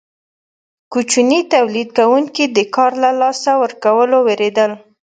کوچني تولید کوونکي د کار له لاسه ورکولو ویریدل.